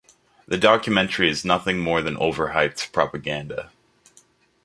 The documentary is nothing more than overhyped propaganda.